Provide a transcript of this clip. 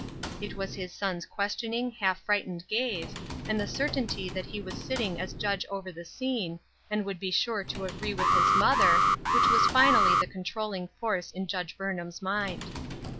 It was his son's questioning, half frightened gaze, 112 THE OLD QUESTION. and the certainty that he was sitting as judge over the scene, and would be sure to agree with his mother, which was finally the controlling force in Judge Burnham's mind.